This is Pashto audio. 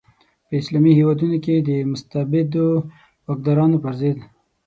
په اسلامي هیوادونو کې د مستبدو واکدارانو پر ضد.